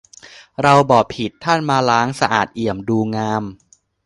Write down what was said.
เราบ่ผิดท่านมาล้าง สะอาดเอี่ยม ดูงาม